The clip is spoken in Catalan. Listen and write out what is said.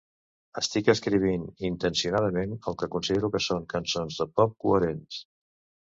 Estic escrivint intencionadament el que considero que són cançons de "pop" coherents".